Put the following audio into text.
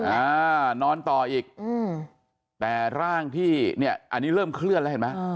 อ่านอนต่ออีกอืมแต่ร่างที่เนี่ยอันนี้เริ่มเคลื่อนแล้วเห็นไหม